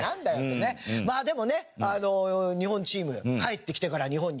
まあでもね日本チーム帰ってきてから日本に。